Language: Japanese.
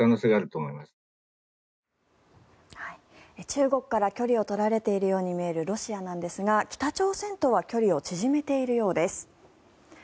中国から距離を取られているように見えるロシアなんですが北朝鮮とは距離を縮めているようです。